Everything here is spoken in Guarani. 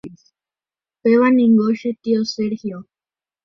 Péva ningo che tio Sergio.